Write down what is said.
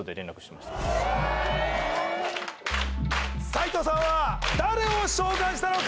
斎藤さんは誰を召喚したのか？